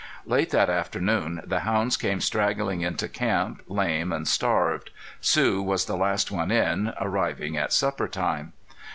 Late that afternoon the hounds came straggling into camp, lame and starved. Sue was the last one in, arriving at supper time.